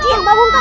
diam bangun kau